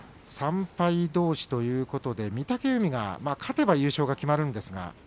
３敗どうしということで御嶽海が勝てば優勝が決まります。